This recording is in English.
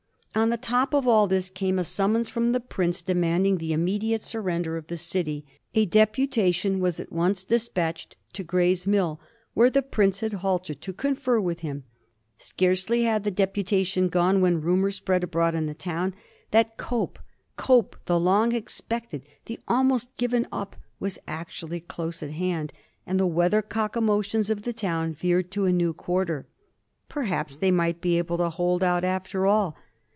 On the top of all this came a summons from the prince demanding the immediate surrender of the city. A dep utation was at once despatched to Gray's Mill, where the prince had halted, to confer with him. Scarcely had the deputation gone when rumor spread abroad in the town that Cope, Cope the long expected, the almost given up, was actually close at hand, and the weathercock emotions of the town veered to a new quarter. Perhaps they might be able to hold out after all.